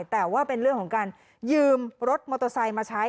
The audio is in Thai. แต่ว่าเป็นเรื่องของการยืมรถมอเตอร์ไซค์มาใช้